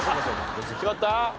決まった？